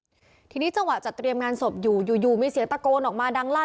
อายุ๖ขวบซึ่งตอนนั้นเนี่ยเป็นพี่ชายมารอเอาน้องชายไปอยู่ด้วยหรือเปล่าเพราะว่าสองคนนี้เขารักกันมาก